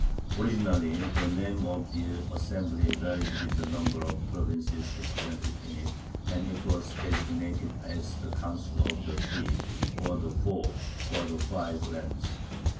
Originally the name of the assembly varied with the number of provinces represented in it, and it was designated as the Council of the Three, or the Four, or the Five, Lands.